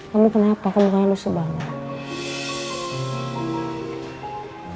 kamu kenapa kamu kayak lusuh banget